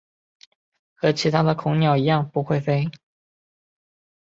和其他恐鸟一样不会飞。